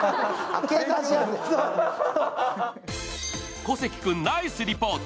小関君、ナイスリポート。